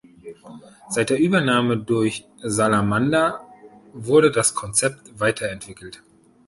Seit der Übernahme durch Salamander wurde das Konzept weiterentwickelt.